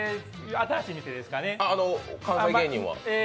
新しい店ですかね？